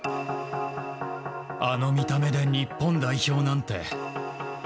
あの見た目で日本代表なんて。